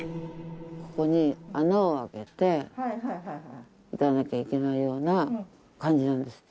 ここに穴を開けていかなきゃいけないような感じなんですって。